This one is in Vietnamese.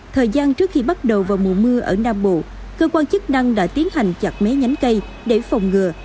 thời gian trước khi bắt đầu vào mùa mưa ở nam bộ cơ quan chức năng đã tiến hành chặt máy nhánh cây để phòng ngừa